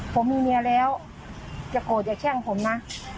ผมมีเมียแล้วอย่าโกรธอย่าแช่งผมนะ